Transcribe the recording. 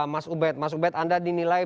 mas ubed mas ubed anda dinilai